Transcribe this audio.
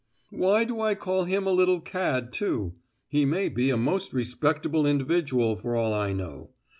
Why do I call him a little cad, too? he may be a most respectable individual for all I know!